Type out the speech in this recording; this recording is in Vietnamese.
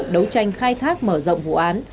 đấu tranh khai thác mở rộng vụ án